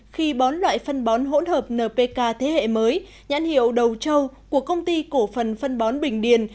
khi bón loại phân bón hỗn hợp npk thế hệ mới nhãn hiệu đầu châu của công ty cổ phần phân bón bình điền